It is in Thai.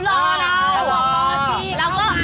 แล้วก็ใส่ลอไปตรงแรง